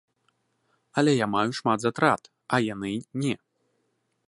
Але я маю шмат затрат, а яны не.